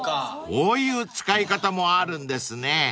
［こういう使い方もあるんですね］